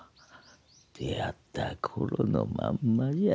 出会った頃のまんまじゃ。